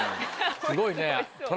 すごいね。